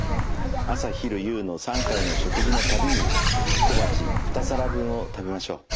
朝昼夕の３回の食事のたびに小鉢２皿分を食べましょう。